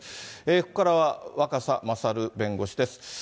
ここからは、若狭勝弁護士です。